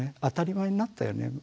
当たり前になったよね